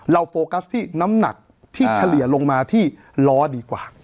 โฟกัสที่น้ำหนักที่เฉลี่ยลงมาที่ล้อดีกว่า